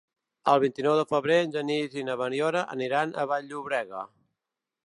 El vint-i-nou de febrer en Genís i na Mariona aniran a Vall-llobrega.